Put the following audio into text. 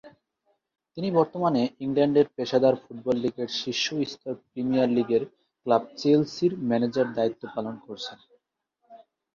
তিনি বর্তমানে ইংল্যান্ডের পেশাদার ফুটবল লীগের শীর্ষ স্তর প্রিমিয়ার লীগের ক্লাব চেলসির ম্যানেজারের দায়িত্ব পালন করছেন।